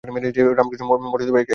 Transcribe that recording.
রামকৃষ্ণ মঠ হল একটি সন্ন্যাসী সংঘ।